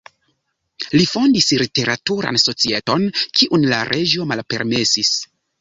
Li fondis literaturan societon, kiun la reĝo malpermesis.